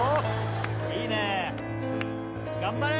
いいね頑張れ！